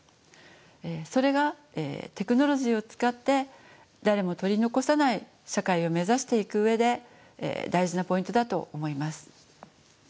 それがテクノロジーを使って誰も取り残さない社会を目指していく上で大事なポイントだと思います。